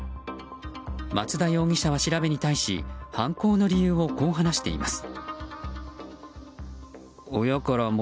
松田容疑者は調べに対し犯行の理由をこう話しています。